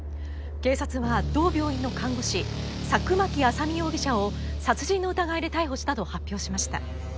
警察は同病院の看護師佐久巻麻美容疑者を殺人の疑いで逮捕したと発表しました。